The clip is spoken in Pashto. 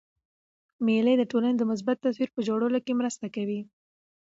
مېلې د ټولني د مثبت تصویر په جوړولو کښي مرسته کوي.